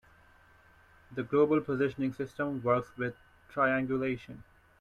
The global positioning system works with triangulation.